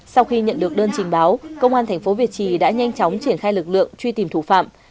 sau khi nhận được đơn trình báo công an thành phố việt trì đã nhanh chóng triển khai lực lượng truy tìm thủ phạm